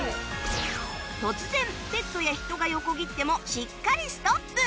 突然ペットや人が横切ってもしっかりストップ！